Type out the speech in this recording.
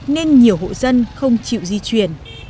nên nhiều hộ dân không chịu di chuyển